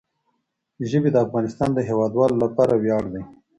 ژبې د افغانستان د هیوادوالو لپاره ویاړ دی.